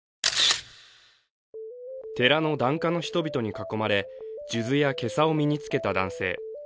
寺の檀家の人々に囲まれ、数珠や袈裟を身に着けた男性。